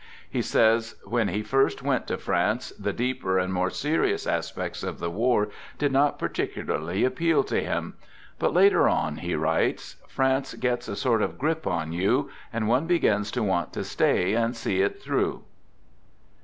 He says when he first went to France, the deeper and more serious aspects of the war did not par ticularly appeal to him. But, later on, he writes, " France gets a sort of grip on you, and one begins to want to stay and see it through."